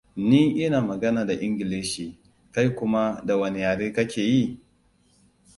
Ni ina magana da Ingilishi, kai kuma da wane yare ka ke yi?